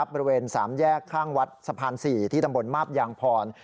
บริเวณ๓แยกข้างวัดสะพาน๔ที่ตำบลมาบยางพร